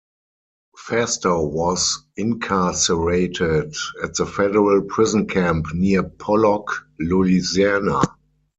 Fastow was incarcerated at the Federal Prison Camp near Pollock, Louisiana.